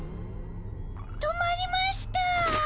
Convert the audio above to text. とまりましたぁ。